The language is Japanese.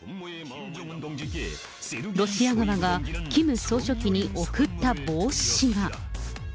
ロシア側がキム総書記に贈った帽子が。